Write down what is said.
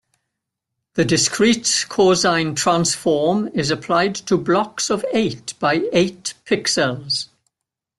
The discrete cosine transform is applied to blocks of eight by eight pixels.